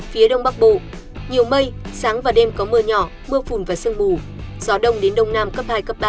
phía đông bắc bộ nhiều mây sáng và đêm có mưa nhỏ mưa phùn và sương mù gió đông đến đông nam cấp hai cấp ba